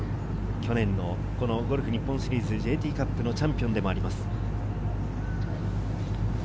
去年のゴルフ日本シリーズＪＴカップのチャンピオンでもあります。